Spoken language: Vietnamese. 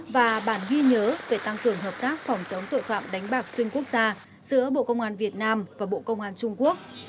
và bản ghi nhớ về tăng cường hợp tác phòng chống tội phạm đánh bạc xuyên quốc gia giữa bộ công an việt nam và bộ công an trung quốc